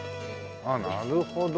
あっなるほどね。